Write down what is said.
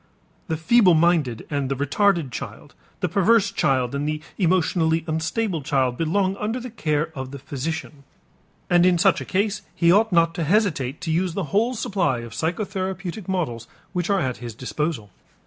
The feeble minded and the retarded child, the perverse child and the emotionally unstable child, belong under the care of the physician, and in such a case he ought not to hesitate to use the whole supply of psychotherapeutic methods which are at his disposal.